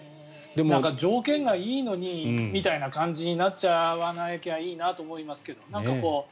条件がいいのにみたいな感じになっちゃわなきゃいいなと思いますけど。